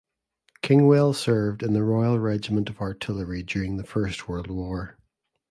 Kingwell served in the Royal Regiment of Artillery during the First World War.